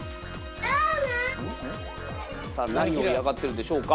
何を嫌がってるんでしょうか？